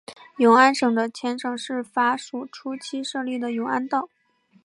永安省的前身是法属初期设立的永安道。